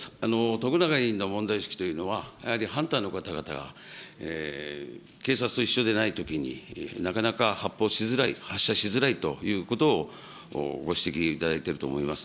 徳永委員の問題意識というのは、やはりハンターの方々が警察と一緒でないときに、なかなか発砲しづらい、発射しづらいということをご指摘いただいていると思います。